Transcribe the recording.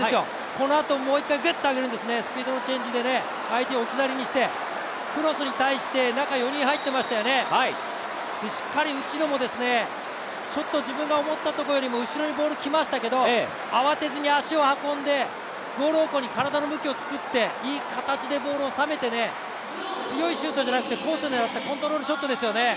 このあともう一回グッと上げるんですね、スピードのチェンジで相手を置き去りにして、クロスに対して中４人入ってましたよね、しっかり内野も自分が思ったところよりも後ろにボール来ましたけど慌てずに足を運んでゴール方向に体の向きをつくっていい形でボールをおさめて、強いシュートではなくてコースを狙ったコントロールショットですよね。